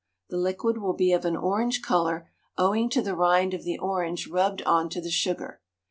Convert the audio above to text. The liquid will be of an orange colour, owing to the rind of the orange rubbed on to the sugar.